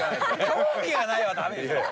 「興味がない」はダメでしょう。